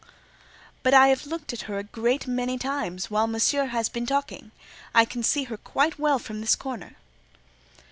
"But I have looked at her a great many times while Monsieur has been talking: I can see her quite well from this corner."